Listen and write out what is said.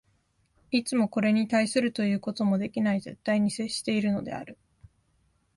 いつもこれに対するということもできない絶対に接しているのである。